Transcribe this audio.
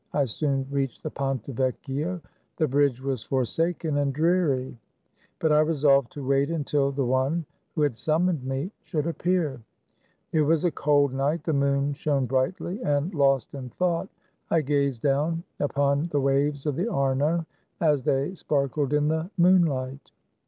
I soon reached the Ponte Yecchio. The bridge was forsaken and dreary, but I resolved to wait until the one who had summoned me should appear. It was a cold night. The moon shone brightly, and, lost in thought, I gazed down upon the waves of the Arno, as they sparkled in the moonlight.